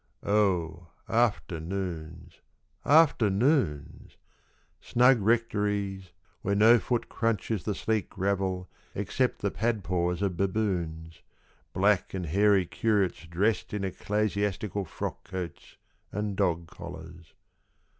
Oh, Afternoons, Afternoons. ... Snug rectories where no foot crunches The sleek gravel except the pad paws of baboons, Black and hairy curates dressed In ecclesiastical frock coats And dog collars.